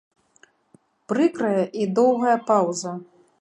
Прыкрая і доўгая паўза.